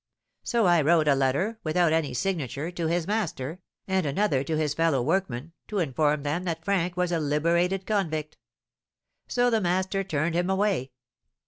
So I wrote a letter, without any signature, to his master, and another to his fellow workmen, to inform them that Frank was a liberated convict, so the master turned him away.